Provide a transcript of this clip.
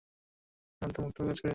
শান্ত ও মুক্তভাবে কাজ করিয়া যাও।